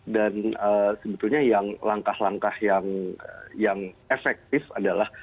dan sebetulnya yang langkah langkah yang efektif adalah